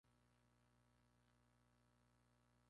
Antes de comenzar a pintar, se deben seguir una serie de pautas.